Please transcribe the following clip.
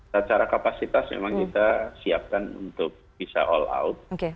secara kapasitas memang kita siapkan untuk bisa all out